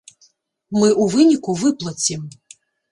Мы ў выніку выплацім.